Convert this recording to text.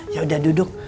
ya udah duduk